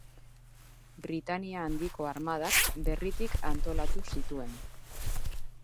Britainia Handiko armadak berritik antolatu zituen.